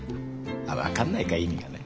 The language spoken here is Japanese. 分かんないか意味はね。